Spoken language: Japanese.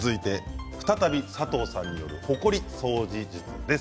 再び佐藤さんによるほこり掃除術です。